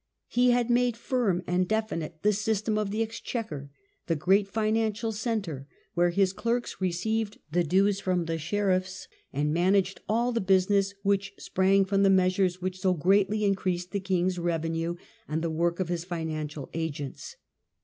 He had made firm and definite the system of the exchequer, the great financial centre where his clerks received the dues from the sheriffs, and managed all the business which sprang from the measures which so greatly increased the king's revenue and the work of his financial agents.